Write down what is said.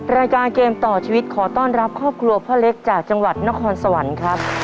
รายการเกมต่อชีวิตขอต้อนรับครอบครัวพ่อเล็กจากจังหวัดนครสวรรค์ครับ